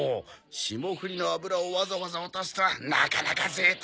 霜降りの脂をわざわざ落とすとはなかなか贅沢。